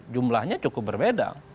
jumlahnya cukup berbeda